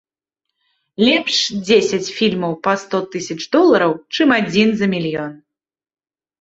Лепш дзесяць фільмаў па сто тысяч долараў, чым адзін за мільён.